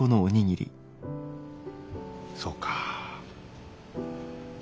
そうかあ。